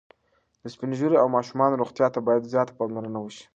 د سپین ږیرو او ماشومانو روغتیا ته باید زیاته پاملرنه وشي.